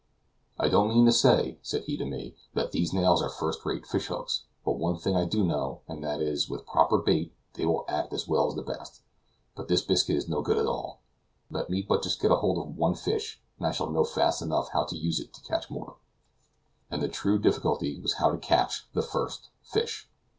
"I don't mean to say," said he to me, "that these nails are first rate fish hooks; but, one thing I do know, and that is, with proper bait they will act as well as the best. But this biscuit is no good at all. Let me but just get hold of one fish, and I shall know fast enough how to use it to catch some more." And the true difficulty was how to catch the first fish.